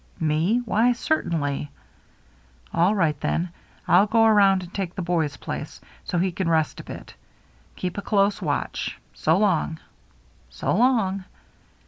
" Me ? Why, certainly." 362 THE MERRT ANNE "All right, then. I'll go around and take the boy's place, so he can rest a bit. Keep a close watch. So long." "So long."